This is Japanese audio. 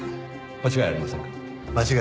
間違いありません。